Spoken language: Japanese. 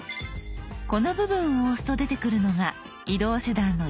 この部分を押すと出てくるのが移動手段の一覧。